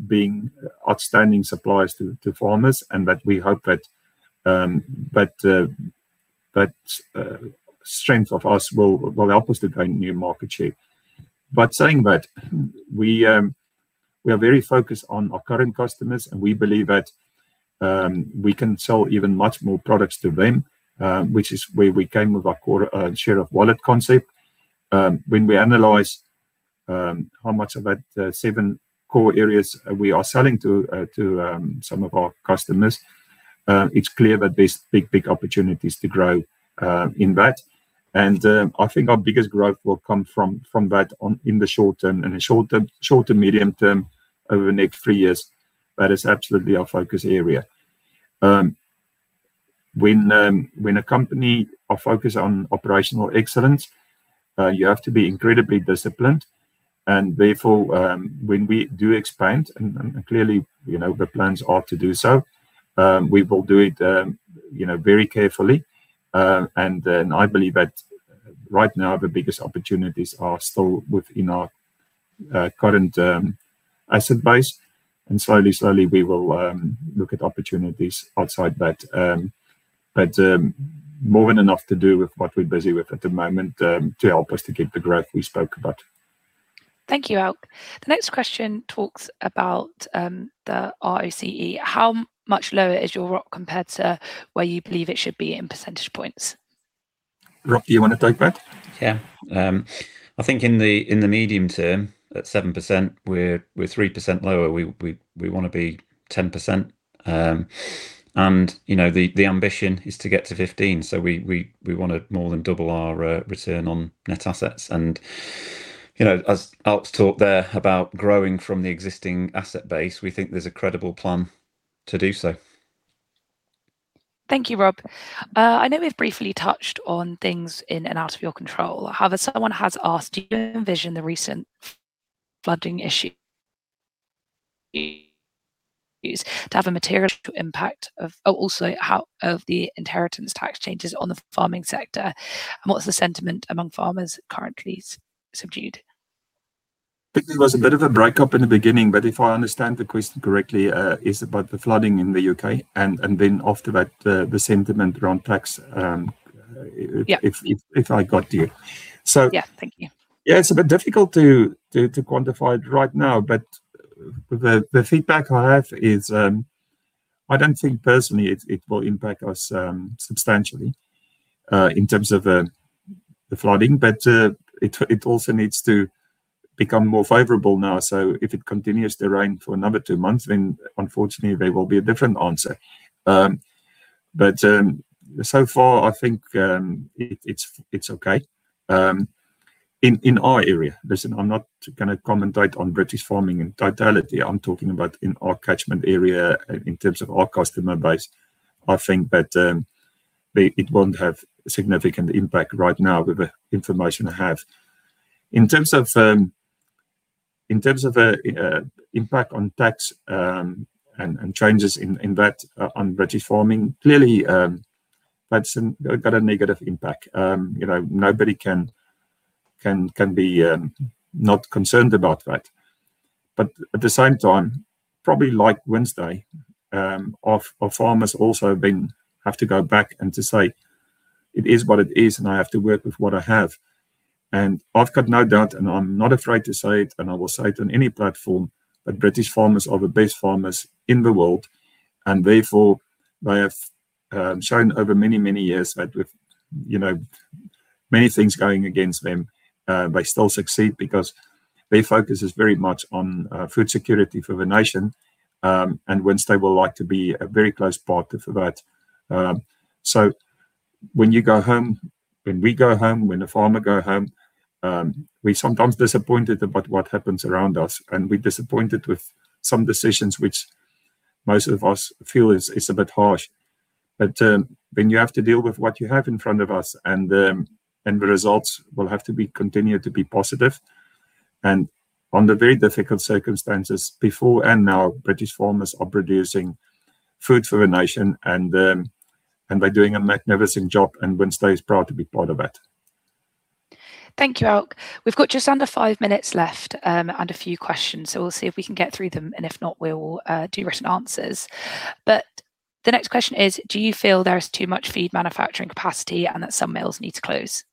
being outstanding suppliers to farmers, and that we hope that that strength of us will help us to gain new market share. But saying that, we are very focused on our current customers, and we believe that we can sell even much more products to them, which is where we came with our core share of wallet concept. When we analyze how much of that seven core areas we are selling to some of our customers, it's clear that there's big opportunities to grow in that. And I think our biggest growth will come from that in the short term, short- to medium-term, over the next three years. That is absolutely our focus area. When a company are focused on operational excellence, you have to be incredibly disciplined, and therefore, when we do expand, and clearly, you know, the plans are to do so, we will do it, you know, very carefully. And then I believe that right now, the biggest opportunities are still within our current asset base, and slowly, slowly, we will look at opportunities outside that. But more than enough to do with what we're busy with at the moment, to help us to keep the growth we spoke about. Thank you, Auke. The next question talks about the ROCE. How much lower is your ROC compared to where you believe it should be in percentage points? Rob, do you want to take that? Yeah. I think in the medium term, at 7%, we're 3% lower. We wanna be 10%. And, you know, the ambition is to get to 15, so we wanna more than double our return on net assets. And, you know, as Alk talked there about growing from the existing asset base, we think there's a credible plan to do so. Thank you, Rob. I know we've briefly touched on things in and out of your control. However, someone has asked, do you envision the recent flooding issue to have a material impact of... Oh, also, how, of the inheritance tax changes on the farming sector, and what's the sentiment among farmers currently subdued? I think there was a bit of a breakup in the beginning, but if I understand the question correctly, it's about the flooding in the U.K., and then after that, the sentiment around tax. Yeah... if I got you. So- Yeah, thank you. Yeah, it's a bit difficult to quantify it right now, but the feedback I have is, I don't think personally it will impact us substantially in terms of the flooding. But it also needs to become more favorable now. So if it continues to rain for another two months, then unfortunately, there will be a different answer. But so far, I think it's okay in our area. Listen, I'm not gonna commentate on British farming in totality. I'm talking about in our catchment area, in terms of our customer base. I think that it won't have a significant impact right now with the information I have. In terms of impact on Brexit, and changes in that on British farming, clearly, that's got a negative impact. You know, nobody can be not concerned about that. But at the same time, probably like Wynnstay, our farmers have also had to go back and say, "It is what it is, and I have to work with what I have." And I've got no doubt, and I'm not afraid to say it, and I will say it on any platform, that British farmers are the best farmers in the world, and therefore they have shown over many, many years that with, you know, many things going against them, they still succeed because their focus is very much on food security for the nation. Wynnstay would like to be a very close partner for that. So when you go home, when we go home, when the farmer go home, we're sometimes disappointed about what happens around us, and we're disappointed with some decisions which most of us feel is a bit harsh. But when you have to deal with what you have in front of us, and and the results will have to be continued to be positive, and under very difficult circumstances, before and now, British farmers are producing food for the nation, and and they're doing a magnificent job, and Wynnstay is proud to be part of it. Thank you, Alk. We've got just under five minutes left, and a few questions, so we'll see if we can get through them, and if not, we'll do written answers. But the next question is, do you feel there is too much feed manufacturing capacity and that some mills need to close?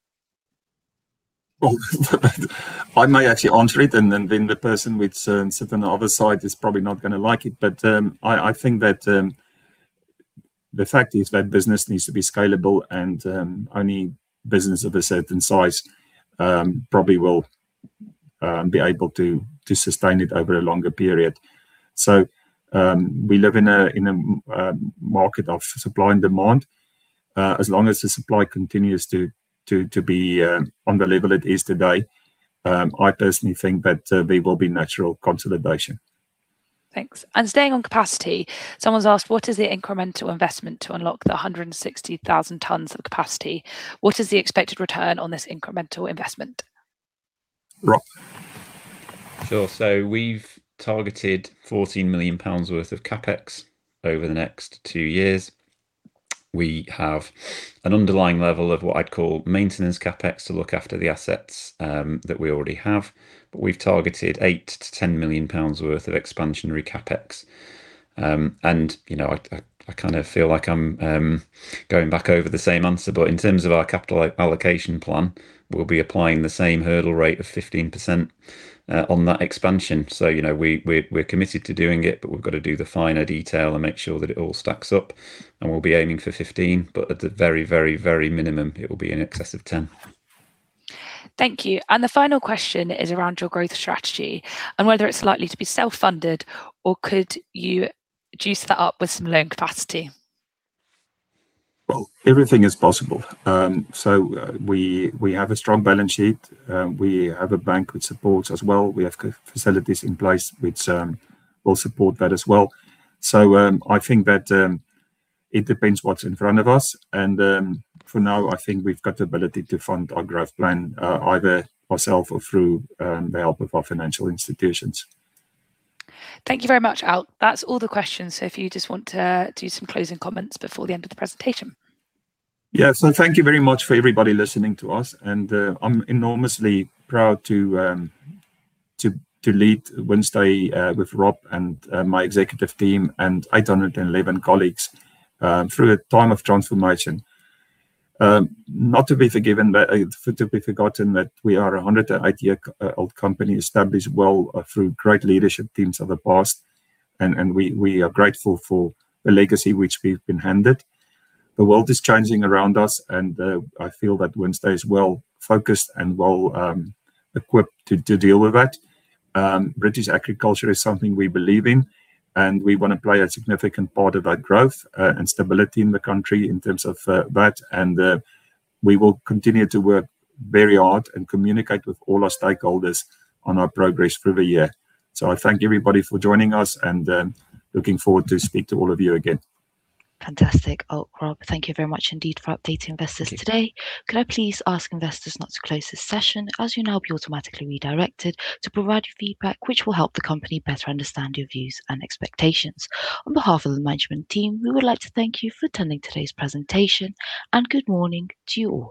Well, I may actually answer it, and then the person which sit on the other side is probably not gonna like it. But, I think that the fact is that business needs to be scalable and only business of a certain size probably will be able to sustain it over a longer period. So, we live in a market of supply and demand. As long as the supply continues to be on the level it is today, I personally think that there will be natural consolidation. Thanks. And staying on capacity, someone's asked, what is the incremental investment to unlock the 160,000 tons of capacity? What is the expected return on this incremental investment? Rob? Sure. So we've targeted 14 million pounds worth of CapEx over the next 2 years. We have an underlying level of what I'd call maintenance CapEx to look after the assets, that we already have, but we've targeted 8 million-10 million pounds worth of expansionary CapEx. And, you know, I kind of feel like I'm going back over the same answer, but in terms of our capital allocation plan, we'll be applying the same hurdle rate of 15%, on that expansion. So, you know, we're committed to doing it, but we've got to do the finer detail and make sure that it all stacks up, and we'll be aiming for 15, but at the very, very, very minimum, it will be in excess of 10. Thank you. The final question is around your growth strategy and whether it's likely to be self-funded, or could you juice that up with some loan capacity? Well, everything is possible. We have a strong balance sheet. We have a bank which supports as well. We have facilities in place which will support that as well. So, I think that it depends what's in front of us and, for now, I think we've got the ability to fund our growth plan, either ourself or through the help of our financial institutions. Thank you very much, Alk. That's all the questions, so if you just want to do some closing comments before the end of the presentation. Yeah. So thank you very much for everybody listening to us, and, I'm enormously proud to lead Wynnstay with Rob and my executive team and 811 colleagues through a time of transformation. Not to be forgiven, but to be forgotten, that we are a 180-year-old company, established well through great leadership teams of the past, and we are grateful for the legacy which we've been handed. The world is changing around us, and I feel that Wynnstay is well focused and well equipped to deal with that. British agriculture is something we believe in, and we want to play a significant part of that growth, and stability in the country in terms of, that, and, we will continue to work very hard and communicate with all our stakeholders on our progress through the year. So I thank everybody for joining us, and, looking forward to speak to all of you again. Fantastic, Alk, Rob. Thank you very much indeed for updating investors today. Thank you. Could I please ask investors not to close this session, as you'll now be automatically redirected to provide feedback, which will help the company better understand your views and expectations. On behalf of the management team, we would like to thank you for attending today's presentation, and good morning to you all.